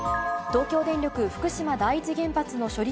東京電力福島第一原発の処理